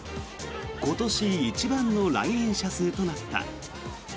今年一番の来園者数となった。